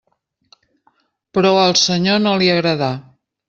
Però al Senyor no li agradà.